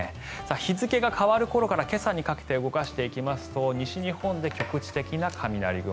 日付が変わる頃から今朝にかけて動かしていきますと西日本で局地的な雷雲。